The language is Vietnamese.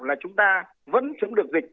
là chúng ta vẫn chống được dịch